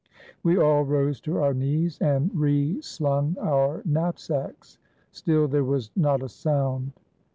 We all rose to our knees and reslung our knapsacks. Still, there was not a sound.